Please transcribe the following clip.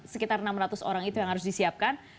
sekitar enam ratus orang itu yang harus disiapkan